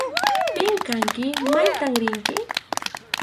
¿Pim kanki? ¿Maytam rinki?